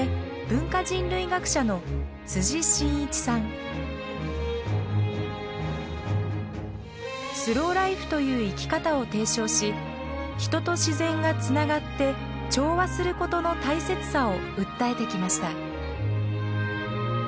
そしてスローライフという生き方を提唱し人と自然がつながって調和することの大切さを訴えてきました。